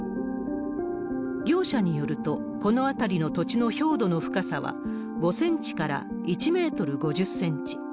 業者によると、この辺りの土地の表土の深さは、５センチから１メートル５０センチ。